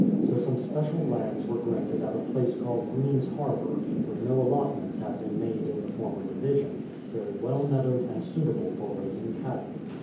So some special lands were granted at a place called Green's Harbour, where no allotments had been made 244 BRADFORD'S HISTORY OP in the former division, very M/ell meadowed and suitable for raising cattle.